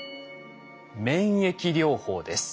免疫療法です。